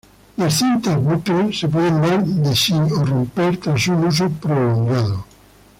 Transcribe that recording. Las cintas bucle se pueden dar de sí o romper tras un uso prolongado.